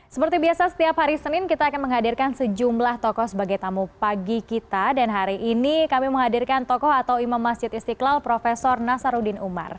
seperti biasa setiap hari senin kita akan menghadirkan sejumlah tokoh sebagai tamu pagi kita dan hari ini kami menghadirkan tokoh atau imam masjid istiqlal prof nasaruddin umar